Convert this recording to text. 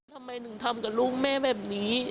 ทำไมถึงทำกับลูกแม่แบบนี้